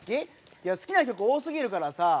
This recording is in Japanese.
いや好きな曲多すぎるからさ。